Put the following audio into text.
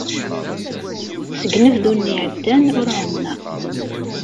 Seg unebdu-nni iɛeddan ur ɛummeɣ.